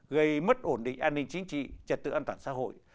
gây mất ổn định an ninh chính trị trật tự an toàn xã hội